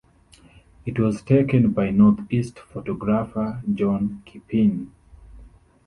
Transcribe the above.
It was taken by North East photographer John Kippin.